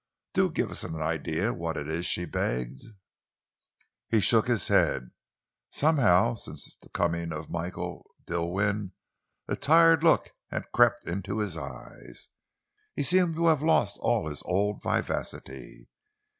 "Do give us an idea what it is," she begged. He shook his head. Somehow, since the coming of Michael Dilwyn, a tired look had crept into his eyes. He seemed to have lost all his old vivacity.